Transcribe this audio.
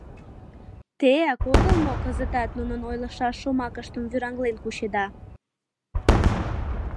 Теак огыл мо кызытат нунын ойлышаш шомакыштым вӱраҥлен кучеда?